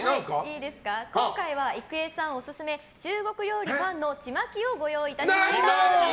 今回は郁恵さんオススメ中国料理歓のちまきをご用意いたしました。